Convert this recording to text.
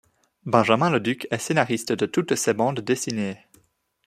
Benjamin Leduc est scénariste de toutes ces bandes dessinées.